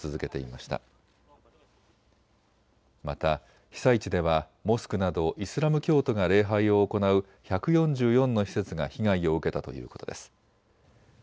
また被災地ではモスクなどイスラム教徒が礼拝を行う１４４の施設が被害を受けたということです。